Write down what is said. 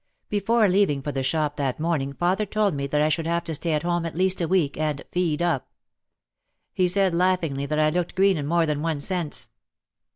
Before leaving for the shop that morning father told me that I should have to stay at home at least a week and "feed up." He said laughingly that I looked green in more than one sense.